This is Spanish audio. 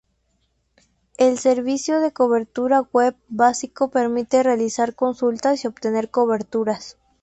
El servicio de cobertura web básico permite realizar consultas y obtener coberturas.